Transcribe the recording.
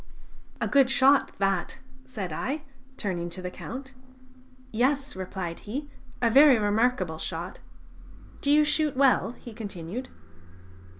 "A good shot that!" said I, turning to the Count. "Yes," replied he, "a very remarkable shot. ... Do you shoot well?" he continued.